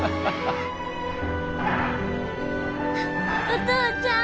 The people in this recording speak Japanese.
お父ちゃん。